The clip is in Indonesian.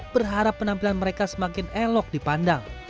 berharap penampilan mereka semakin elok dipandang